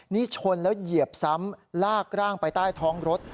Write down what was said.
นี่ชนแล้วเหยียบซ้ำลากร่างไปใต้ท้องรถ